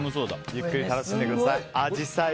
ゆっくり楽しんでください。